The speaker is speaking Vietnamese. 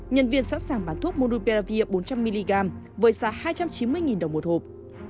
nhân viên sẵn sàng bán thuốc morupelavir bốn trăm linh mg với giá hai trăm chín mươi đồng một hộp